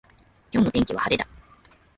今日の天気は晴れだ。